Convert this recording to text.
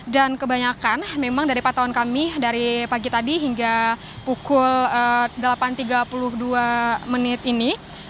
dan kebanyakan memang dari patauan kami dari pagi tadi hingga pukul delapan tiga puluh dua menit ini